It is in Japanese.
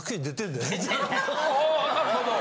あなるほど。